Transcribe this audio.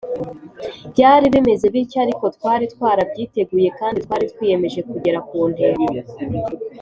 Byari bimeze bityo ariko twari twarabyiteguye kandi twari twiyemeje kugera ku ntego